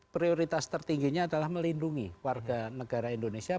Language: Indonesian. prioritas tertingginya adalah melindungi warga negara indonesia